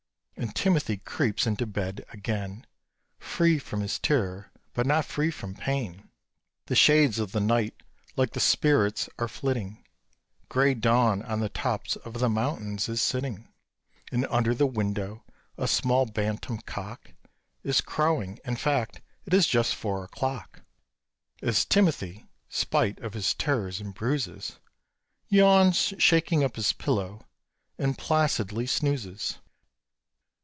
And Timothy creeps into bed again, Free from his terror, but not free from pain. The shades of the night like the spirits are flitting, Grey dawn on the tops of the mountains is sitting, And under the window a small bantam cock Is crowing in fact, it is just four o'clock, As Timothy, spite of his terrors and bruises, Yawns, shakes up his pillow, and placidly snoozes!